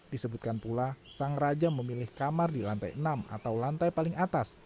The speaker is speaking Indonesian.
disebutkan pula sang raja memilih kamar di lantai enam atau lantai paling atas